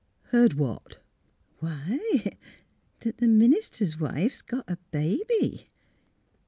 Heard what? "" Why, that the minister's wife's got a baby."